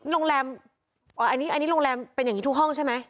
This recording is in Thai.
โรงแรมอ๋ออันนี้โรงแรมเป็นอย่างนี้ทุกห้องใช่ไหม